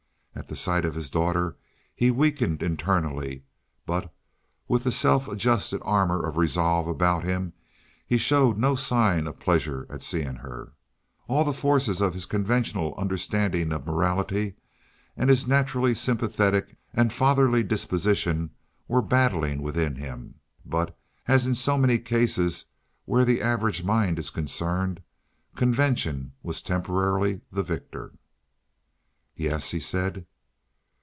At the sight of his daughter he weakened internally; but with the self adjusted armor of resolve about him he showed no sign of pleasure at seeing her. All the forces of his conventional understanding of morality and his naturally sympathetic and fatherly disposition were battling within him, but, as in so many cases where the average mind is concerned, convention was temporarily the victor. "Yes," he said.